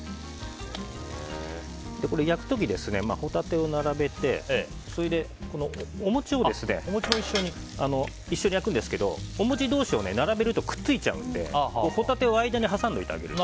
焼く時にホタテを並べてお餅を一緒に焼くんですけどお餅同士を並べるとくっついちゃうのでホタテを間に挟んで置いてあげる。